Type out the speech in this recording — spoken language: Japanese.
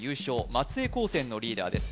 松江高専のリーダーです